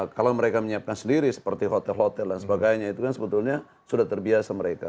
kalau mereka menyiapkan sendiri seperti hotel hotel dan sebagainya itu kan sebetulnya sudah terbiasa mereka